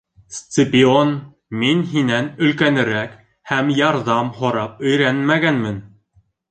Сципион, мин һинән өлкәнерәк һәм ярҙам һорап өйрәнмәгәнмен.